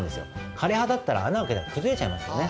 枯れ葉だったら穴開けたら崩れちゃいますよね。